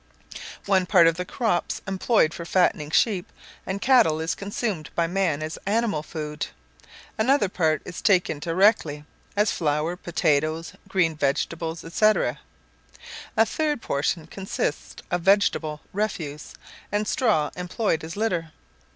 One part of the crops employed for fattening sheep and cattle is consumed by man as animal food; another part is taken directly as flour, potatoes, green vegetables, &c. a third portion consists of vegetable refuse, and straw employed as litter.